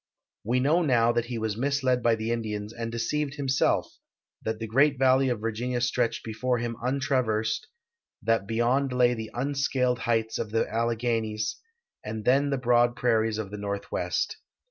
AVe know now that he was misled by the Indians and deceived himself; that the great valle}" of Vir ginia stretched before him untraversed ; that beyond lay the unsealed heights of the Alleghanies, and then the broad prairies of the Xorthwest.